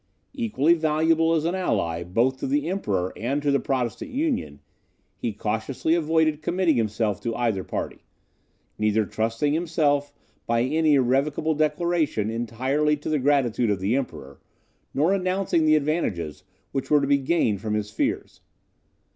Equally valuable as an ally, both to the Emperor and to the Protestant Union, he cautiously avoided committing himself to either party; neither trusting himself by any irrevocable declaration entirely to the gratitude of the Emperor, nor renouncing the advantages which were to be gained from his fears.